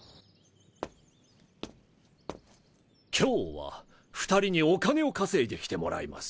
今日は２人にお金を稼いできてもらいます。